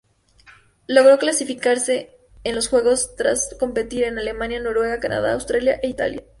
Logró clasificarse en los juegos tras competir en Alemania, Noruega, Canadá, Austria e Italia.